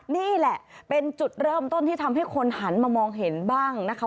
นี่แหละเป็นจุดเริ่มต้นที่ทำให้คนหันมามองเห็นบ้างนะคะ